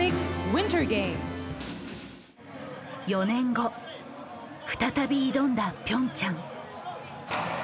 ４年後再び挑んだピョンチャン。